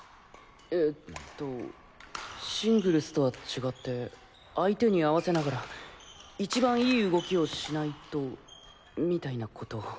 えっとシングルスとは違って相手に合わせながら一番いい動きをしないとみたいなことを。